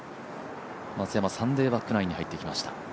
松山、サンデーバックナインに入ってきました。